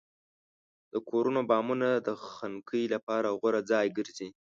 د کورونو بامونه د خنکۍ لپاره غوره ځای ګرځي.